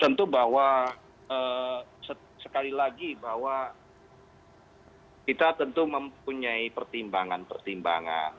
tentu bahwa sekali lagi bahwa kita tentu mempunyai pertimbangan pertimbangan